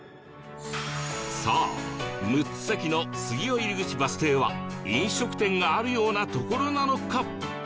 さあ６つ先の杉尾入口バス停は飲食店があるような所なのか？